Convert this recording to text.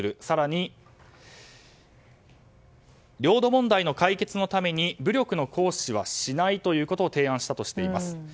更に、領土問題の解決のために武力の行使はしないということを提案したとしています。